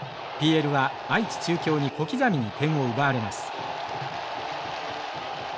ＰＬは愛知中京に小刻みに点を奪われます。